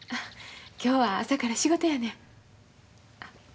今日は朝から仕事やねん。